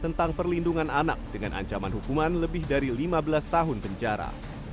tentang perlindungan anak dengan ancaman hukuman lebih dari lima belas tahun penjara